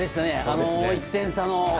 あの１点差の。